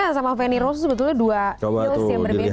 nih saya sama feni rose sebetulnya dua heels yang berbeda loh